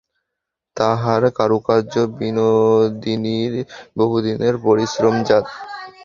তাহার কারুকার্য বিনোদিনীর বহুদিনের পরিশ্রমজাত।